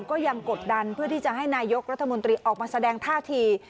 ก็ยังกดดันเพื่อที่จะให้นายกรัฐมนตรีออกมาแสดงท่าที